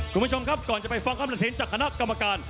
คุณผู้ชมครับก่อนจะไปฟังความเห็นจากคณะกรรมการ